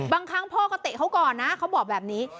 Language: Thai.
บางครั้งพ่อก็เตะเขาก่อนนะเขาบอกแบบนี้